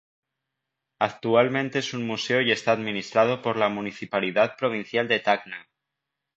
Actualmente es un museo y está administrado por la Municipalidad Provincial de Tacna.